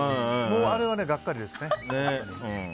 あれはがっかりですね。